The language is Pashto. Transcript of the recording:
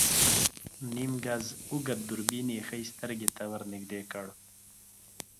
نيم ګز اوږد دوربين يې ښی سترګې ته ور نږدې کړ.